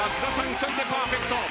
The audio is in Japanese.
一人でパーフェクト。